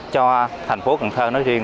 cho thành phố cần thơ nói riêng